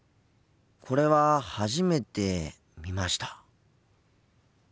これは初めて見ました。